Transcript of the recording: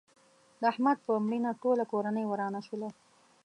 د احمد په مړینه ټوله کورنۍ ورانه شوله.